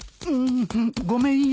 ごめんよ。